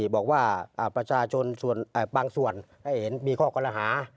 บอกว่าประชาชนบางส่วนให้เห็นมีข้อกรหา